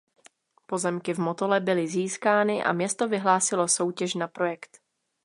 Pozemky v Motole byly získány a město vyhlásilo soutěž na projekt.